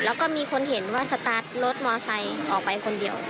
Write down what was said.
แล้วก็มีคนเห็นว่าสตาร์ทรถมอไซค์ออกไปคนเดียว